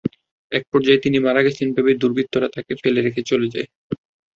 একপর্যায়ে তিনি মারা গেছেন ভেবে দুর্বৃত্তরা তাঁকে ফেলে রেখে চলে যায়।